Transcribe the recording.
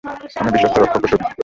আমি বিশ্বস্ত রক্ষক ও সুবিজ্ঞ।